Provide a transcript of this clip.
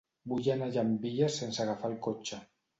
Vull anar a Llambilles sense agafar el cotxe.